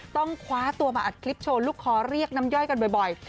ต้องคว้าตัวมาอัดคลิปโชว์ลูกคอเรียกน้ำย่อยกันบ่อย